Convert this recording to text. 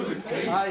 はい。